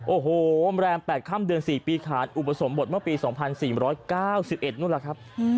โอ้โหแรม๘ค่ำเดือน๔ปีขานอุปสมบทเมื่อปี๒๔๙๑นู่นล่ะครับ